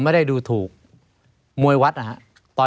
ไม่มีครับไม่มีครับ